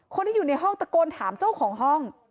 คนที่อยู่ในห้องตะโกนถามเจ้าของห้อง